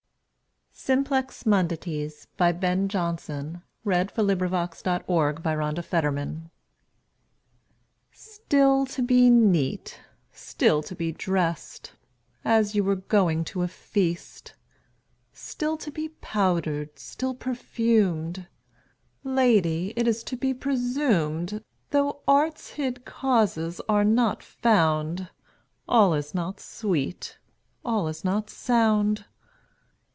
be seen, These have crimes accounted been. Ben Jonson Clerimont's Song STILL to be neat, still to be dressed, As you were going to a feast; Still to be powdered, still perfumed; Lady, it is to be presumed, Though art's hid causes are not found, All is not sweet, all is not sound.